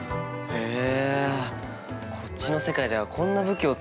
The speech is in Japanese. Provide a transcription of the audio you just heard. へえ。